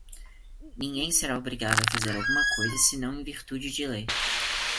ninguém será obrigado a fazer alguma coisa senão em virtude de lei